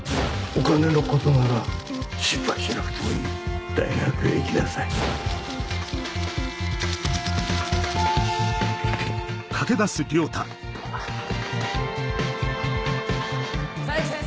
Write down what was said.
お金のことなら心配しなくてもいい大学へ行きなさい冴木先生！